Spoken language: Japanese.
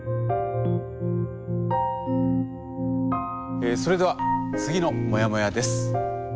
えそれでは次のモヤモヤです。